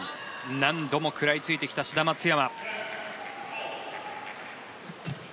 何度も食らいついてきた志田・松山。